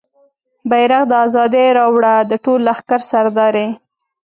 بیرغ د ازادۍ راوړه د ټول لښکر سردارې